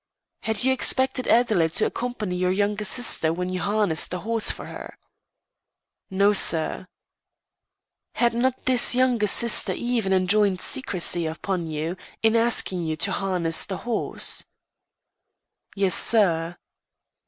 "Had you expected Adelaide to accompany your younger sister when you harnessed the horse for her?" "No, sir." "Had not this younger sister even enjoined secrecy upon you in asking you to harness the horse?" "Yes, sir."